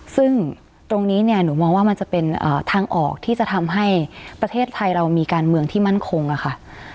ซึ่งตรงนี้เนี่ยหนูมองว่ามันจะเป็นทางออกที่จะทำให้ประเทศไทยเรามีการเมืองที่มั่นคงอะค่ะ